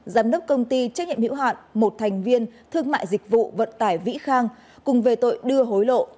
giám đốc công ty trách nhiệm hữu hạn một thành viên thương mại dịch vụ vận tải vĩ khang cùng về tội đưa hối lộ